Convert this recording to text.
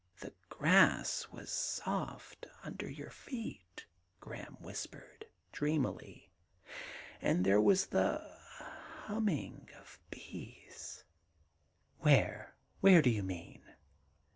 'The grass was soft under yoiur feet^' Graham whispered dreamily, 'and there was the humming of bees '* Where ?— Where do you mean